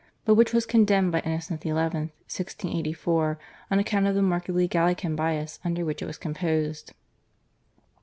but which was condemned by Innocent XI. (1684) on account of the markedly Gallican bias under which it was composed.